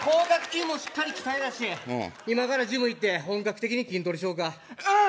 筋もしっかり鍛えたし今からジム行って本格的に筋トレしよかうん！